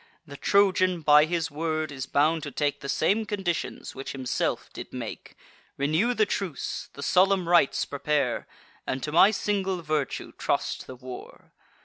The Trojan, by his word, is bound to take The same conditions which himself did make. Renew the truce; the solemn rites prepare, And to my single virtue trust the war.